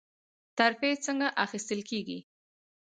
ترفیع څنګه اخیستل کیږي؟